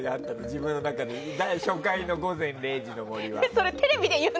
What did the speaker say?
自分の中で初回の「午前０時の森」は。